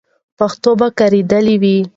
پښتو به کارېدلې وي.